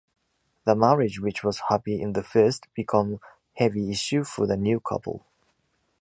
The marriage which was happy in the first become heavy issue for the new couple.